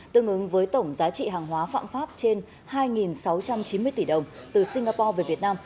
tương ứng với tổng giá trị hàng hóa phạm pháp trên hai sáu trăm chín mươi tỷ đồng từ singapore về việt nam